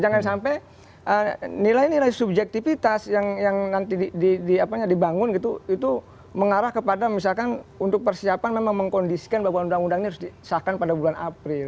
jangan sampai nilai nilai subjektivitas yang nanti dibangun gitu itu mengarah kepada misalkan untuk persiapan memang mengkondisikan bahwa undang undang ini harus disahkan pada bulan april